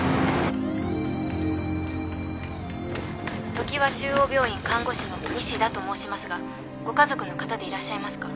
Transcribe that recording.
「常和中央病院看護師の西田と申しますがご家族の方でいらっしゃいますか？」